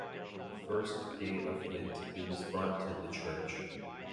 On the first day of Lent he was brought to the church.